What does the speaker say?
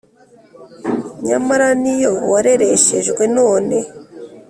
nyamara niyo warereshejwe none